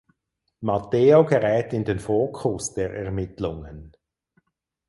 Matteo gerät in den Fokus der Ermittlungen.